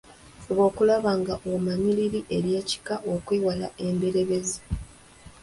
Fuba okulaba ng'omanya liri ery’ekika okwewala emberebezi.